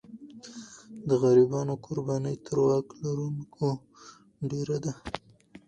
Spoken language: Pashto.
د غریبانو قرباني تر واک لرونکو ډېره ده.